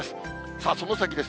さあ、その先です。